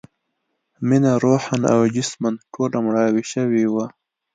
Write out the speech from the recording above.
مينه روحاً او جسماً ټوله مړاوې شوې وه